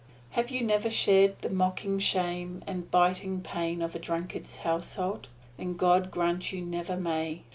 Have you never shared the mocking shame and biting pain of a drunkard's household? Then God grant you never may.